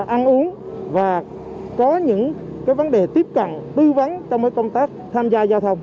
ăn uống và có những vấn đề tiếp cận tư vấn trong công tác tham gia giao thông